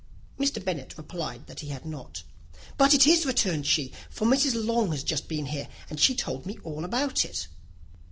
Mr. Bennet replied that he had not. "But it is," returned she; "for Mrs. Long has just been here, and she told me all about it."